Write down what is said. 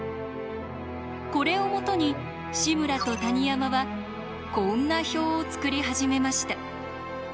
これを基に志村と谷山はこんな表を作り始めました。